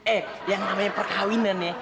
eh yang namanya perkawinan ya